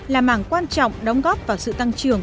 là mảng quan trọng đóng góp vào sự tăng trưởng